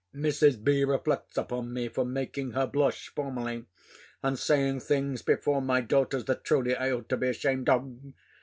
Mrs. B. reflects upon me for making her blush formerly, and saying things before my daughters, that, truly, I ought to be ashamed of?